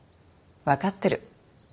分かってる。